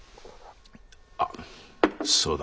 あっそうだ。